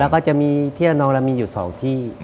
แล้วก็จะมีที่ระนองเรามีอยู่๒ที่